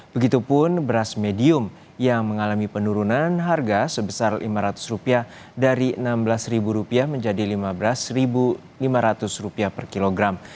begitupun beras medium yang mengalami penurunan harga sebesar rp lima ratus dari rp enam belas menjadi rp lima belas lima ratus per kilogram